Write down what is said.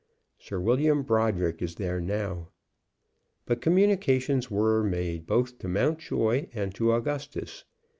Sir William Brodrick is there now." But communications were made both to Mountjoy and to Augustus.